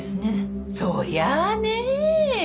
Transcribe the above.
そりゃあねえ。